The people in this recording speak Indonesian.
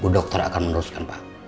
dokter akan meneruskan pak